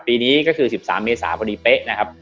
ปีนี้ก็คือ๑๓เมษาพอดีเป๊ะนะครับ